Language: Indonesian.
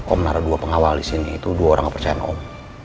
om naro dua pengawal disini itu dua orang yang percaya sama om